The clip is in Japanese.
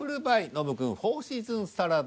ノブくん「フォーシーズンサラダ」。